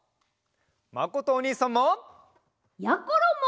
まことおにいさんも！やころも！